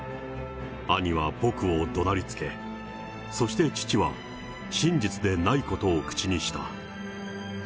兄は僕をどなりつけ、そして父は真実でないことを口にした。